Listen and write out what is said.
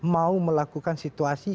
mau melakukan situasi